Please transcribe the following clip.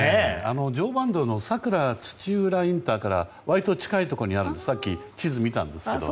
常磐道の佐倉土浦インターから割と近いところにあるんですさっき地図見たんですけど。